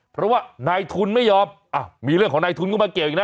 เพราะว่านายทุนไม่ยอมมีเรื่องของนายทุนก็มาเกี่ยวอีกนะ